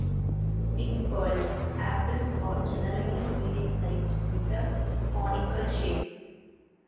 'Pink Pearl' apples are generally medium-sized, with a conical shape.